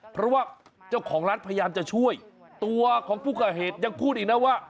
เพราะว่าเจ้าของร้านพยายามจะช่วยตัวของผู้ก่อเหตุยังพูดอีกนะว่า